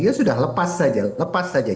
jadi dia sudah lepas saja